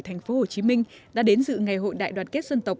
tp hcm đã đến dự ngày hội đại đoàn kết dân tộc